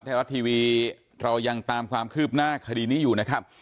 ไทยรัฐทีวีเรายังตามความคืบหน้าคดีนี้อยู่นะครับ